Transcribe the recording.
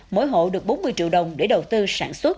mỗi hộ được bốn mươi triệu đồng để đầu tư sản xuất